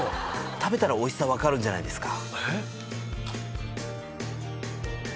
食べたらおいしさ分かるんじゃないですか？